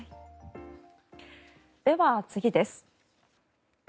では、次です。